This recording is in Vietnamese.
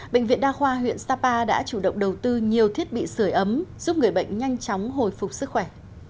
bệnh viện đa khoa huyện sapa đã chủ động đầu tư nhiều thiết bị sửa ấm giúp người bệnh nhanh chóng hồi phục sức khỏe